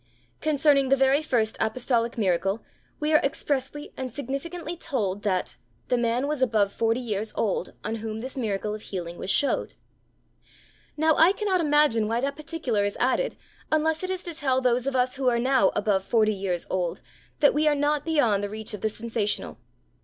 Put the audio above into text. Concerning the very first apostolic miracle we are expressly and significantly told that 'the man was above forty years old on whom this miracle of healing was showed.' Now I cannot imagine why that particular is added unless it is to tell those of us who are now 'above forty years old' that we are not beyond the reach of the sensational.